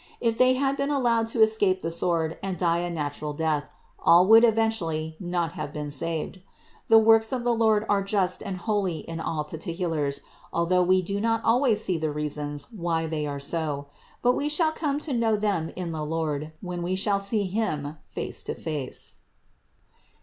If they had been allowed to escape the sword and die a natural death, all would eventually not have been saved. The works of the Lord are just and holy in all particulars, although we do not always see the reasons why they are so ; but we shall come to know them in the Lord when we shall see him face to face.